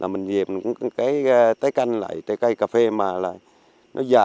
mình dìa mình cũng có cây tái canh lại cây cà phê mà là nó già